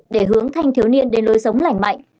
để hướng thanh thiếu niên đến lối sống lành mạnh